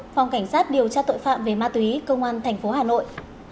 một phòng cảnh sát điều tra tội phạm về ma túy công an tp hà nội